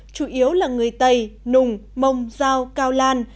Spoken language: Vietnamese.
chủ yếu là người tây nùng mông giao cao lan